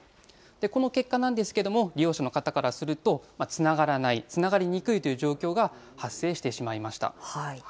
この結果なんですけども、利用者の方からすると、つながらない、つながりにくいという状況が発生してしまいました。